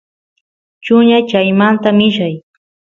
chuñay chaymanta millay